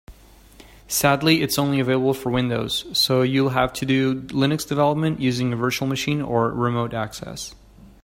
Sadly, it's only available for Windows, so you'll have to do Linux development using a virtual machine or remote access.